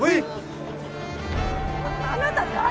あなた誰？